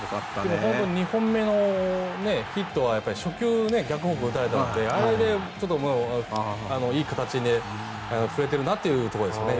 ２本目のヒットは初球、逆方向打たれたのであれでいい形で振れてるなというところですね。